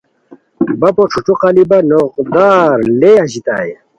بپو ݯھو ݯھو قالیپہ نوغدار لیے اژیتائے